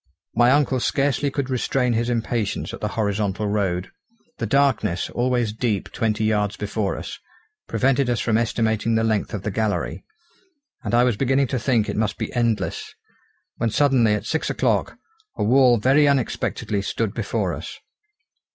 My uncle scarcely could restrain his impatience at the horizontal road. The darkness, always deep twenty yards before us, prevented us from estimating the length of the gallery; and I was beginning to think it must be endless, when suddenly at six o'clock a wall very unexpectedly stood before us.